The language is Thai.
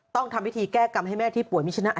ต้องทำพิธีแก้กรรมให้แม่ที่ป่วยมีชนะ